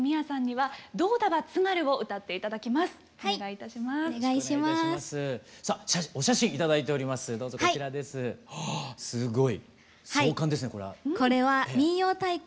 はい。